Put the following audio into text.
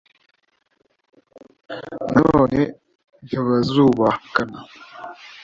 na none ntibazubakana